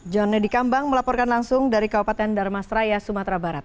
jon nedy kambang melaporkan langsung dari kabupaten dharmasraya sumatera barat